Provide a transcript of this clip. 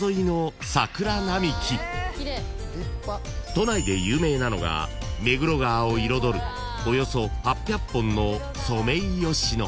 ［都内で有名なのが目黒川を彩るおよそ８００本のソメイヨシノ］